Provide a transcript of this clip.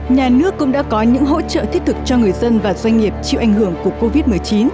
nhà nước cũng đã có những hỗ trợ thiết thực cho người dân và doanh nghiệp chịu ảnh hưởng của covid một mươi chín